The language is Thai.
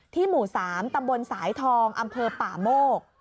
หมู่๓ตำบลสายทองอำเภอป่าโมก